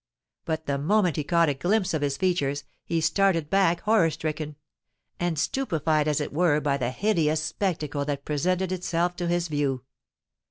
But the moment he caught a glimpse of his features, he started back horror stricken,—and stupefied as it were by the hideous spectacle that presented itself to his view.